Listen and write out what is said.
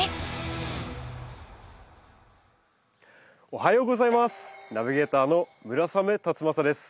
おはようございます。